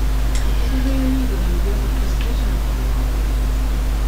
Okuva lwe yayingira ebyobufuzi takyava mu mawulire.